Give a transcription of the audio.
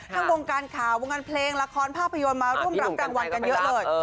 วงการข่าววงการเพลงละครภาพยนตร์มาร่วมรับรางวัลกันเยอะเลย